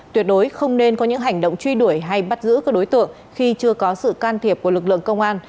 tuyệt đối không nên có những hành động truy đuổi hay bắt giữ các đối tượng khi chưa có sự can thiệp của lực lượng công an